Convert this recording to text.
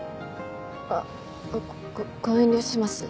あっごご遠慮します。